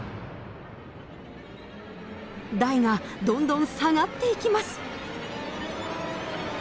台がどんどん下がっていきます。